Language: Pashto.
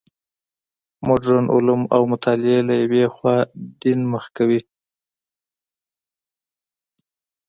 مډرن علوم او مطالعې له یوې خوا دین مخ کوي.